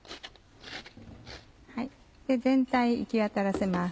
全体に行きわたらせます。